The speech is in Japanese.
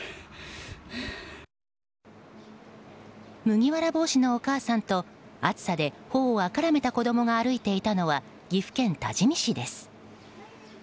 麦わら帽子のお母さんと暑さで頬を赤らめた子供が歩いていたのは岐阜県多治見市です。